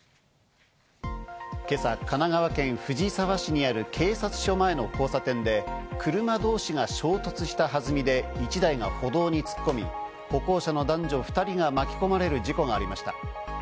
今朝、神奈川県藤沢市にある警察署前の交差点で車同士が衝突した弾みで１台が歩道に突っ込み、歩行者の男女２人が巻き込まれる事故がありました。